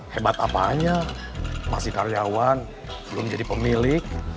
hebat apa aja masih karyawan belum jadi pemilik